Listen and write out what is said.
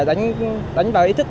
để đánh bảo ý thức